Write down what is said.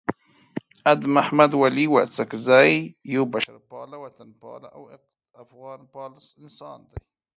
احمد ولي اڅکزی یو بشرپال، وطنپال او افغانپال انسان دی.